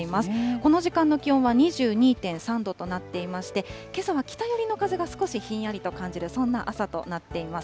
この時間の気温は２２．３度となっていまして、けさは北寄りの風が少しひんやりと感じる、そんな朝となっています。